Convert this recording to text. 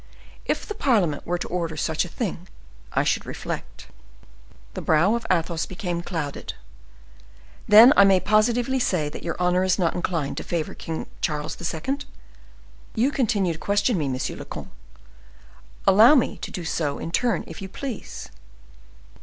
If the parliament were to order such a thing, I should reflect." The brow of Athos became clouded. "Then I may positively say that your honor is not inclined to favor King Charles II.?" "You continue to question me, monsieur le comte; allow me to do so in turn, if you please."